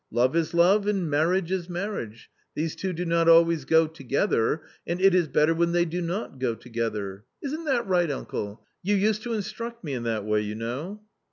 Love is love, and marriage is marriage ; these two do not always go together, and it is better when they do not go together Isn't that right, uncle ? you used to instruct me in that way, you know."